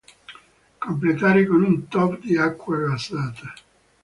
Completare con un top di acqua gassata.